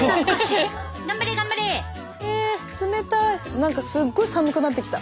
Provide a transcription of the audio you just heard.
何かすごい寒くなってきた。